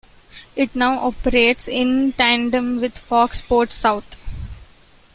It now operates in tandem with Fox Sports South.